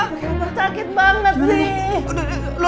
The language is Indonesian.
sakit banget sih